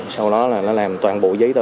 sau đó là nó làm toàn bộ giấy tờ